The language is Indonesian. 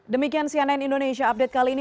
demikian cnn indonesia update kali ini